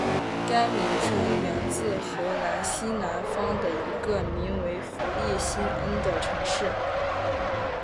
该名称源自荷兰西南方的一个名为弗利辛恩的城市。